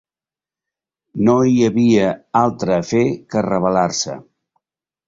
No hi havia altre a fer que rebel·lar-se.